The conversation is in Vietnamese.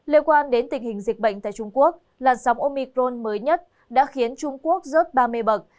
liên quan đến tình hình dịch bệnh tại trung quốc làn sóng omicrone mới nhất đã khiến trung quốc rớt ba mươi bậc